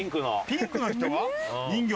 ピンクの人が人形？